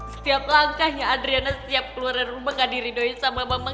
setiap langkahnya adriana setiap keluar dari rumah gak diridoin sama mama